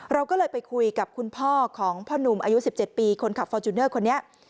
เราก็เลยไปคุยกับคุณพ่อของพ่อนุ่มอายุ๑๗ปีคนขับฟอร์จูเนอร์คนนี้